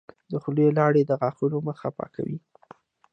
د خولې لاړې د غاښونو مخ پاکوي.